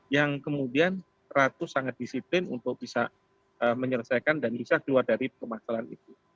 yang kemudian ratu sangat disiplin untuk bisa menyelesaikan dan bisa keluar dari permasalahan itu